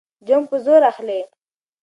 جنګ به زور اخلي.